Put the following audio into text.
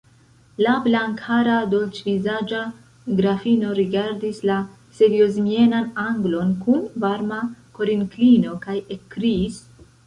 La blankhara, dolĉvizaĝa grafino rigardis la seriozmienan anglon kun varma korinklino kaj ekkriis: